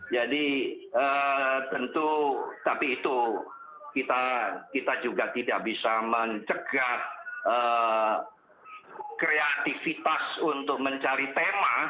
jadi tentu tapi itu kita juga tidak bisa mencegah kreativitas untuk mencari tema